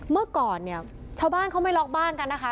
เมื่อก่อนเนี่ยชาวบ้านเขาไม่ล็อกบ้านกันนะคะ